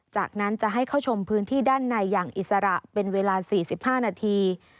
จากนั้นจะให้เข้าชมพื้นที่ด้านในอย่างอิสระเป็นเวลา๔๕นาที